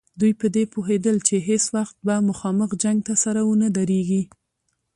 دوی په دې پوهېدل چې هېڅ وخت به مخامخ جنګ ته سره ونه دریږي.